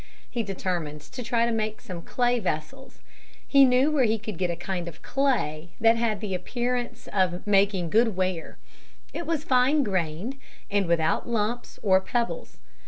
He determined to try to make some clay vessels. He knew where he could get a kind of clay that had the appearance of making good ware. It was fine grained and without lumps or pebbles.